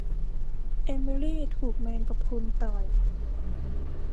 เอมิลีถูกแมงกะพรุนต่อย